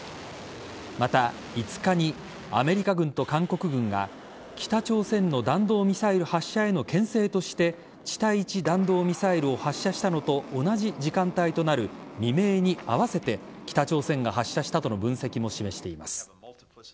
また５日にアメリカ軍と韓国軍が北朝鮮の弾道ミサイル発射へのけん制として地対地弾道ミサイルを発射したのと同じ時間帯となる未明に合わせて北朝鮮が発射したとの分析も示しています。